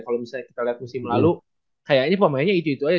kalau misalnya kita lihat musim lalu kayaknya pemainnya itu itu aja